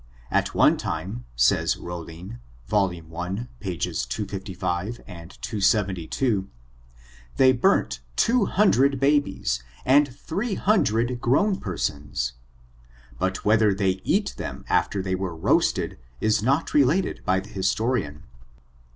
At one time, says Rollin, YoL i, pages 255 and 272, they burnt two hundred babies, and three hundred grown persons. But whether they eat them after they were roasted, is not related by the historian.